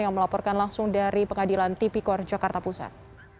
yang melaporkan langsung dari pengadilan tp kor jakarta pusat